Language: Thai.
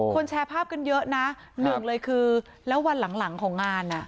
แชร์ภาพกันเยอะนะหนึ่งเลยคือแล้ววันหลังของงานอ่ะ